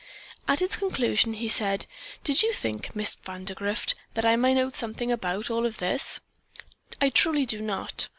At its conclusion he said: "Did you think. Miss Vandergrift, that I might know something about all this? I truly do not.